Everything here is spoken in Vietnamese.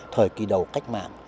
thời kỳ đầu cách mạng